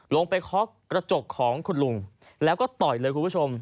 เข้าไปเคาะกระจกของคุณลุงแล้วก็ต่อยเลยคุณผู้ชม